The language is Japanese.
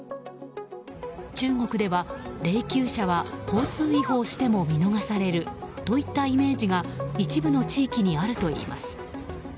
中国では霊柩車は交通違反しても見逃されるといったイメージが一部の地域にあるといいます。